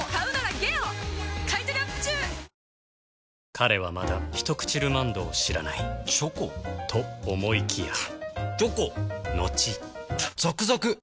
彼はまだ「ひとくちルマンド」を知らないチョコ？と思いきやチョコのちザクザク！